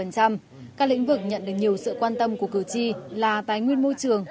các lĩnh vực nhận được nhiều sự quan tâm của cử tri là tài nguyên môi trường